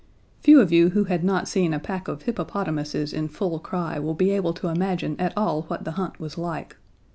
Few of you who had not seen a pack of hippopotamuses in full cry will be able to imagine at all what the hunt was like.